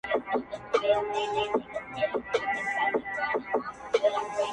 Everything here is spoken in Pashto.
په زندان کي له یوسف سره اسیر یم-